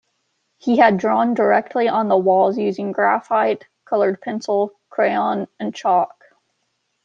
He had drawn directly on the walls using graphite, colored pencil, crayon, and chalk.